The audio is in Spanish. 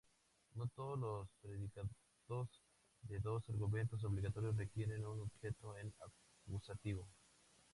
No todos los predicados de dos argumentos obligatorios requieren un Objeto en acusativo.